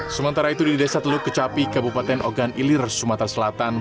sementara itu di desa teluk kecapi kabupaten ogan ilir sumatera selatan